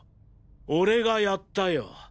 俺がやったよ。